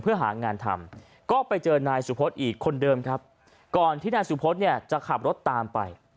เพื่อหางานทำก็ไปเจอนายสุพธอีกคนเดิมครับก่อนที่นายสุพธเนี่ยจะขับรถตามไป